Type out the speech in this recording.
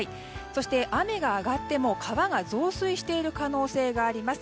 そして、雨が上がっても川が増水している可能性があります。